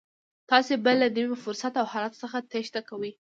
تاسې به له نوي فرصت او حالت څخه تېښته کوئ.